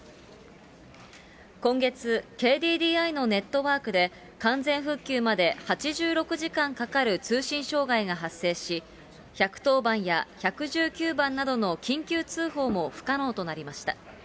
今月、ＫＤＤＩのネットワークで、完全復旧まで８６時間かかる通信障害が発生し、１１０番や１１９番などの緊急通報も不可能となりました。